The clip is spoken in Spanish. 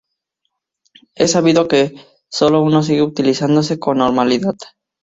Es sabido que sólo uno sigue utilizándose con normalidad.